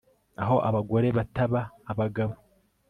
aho abagore bataba abagabo